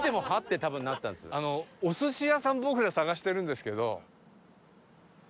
あのお寿司屋さんを僕ら探してるんですけど。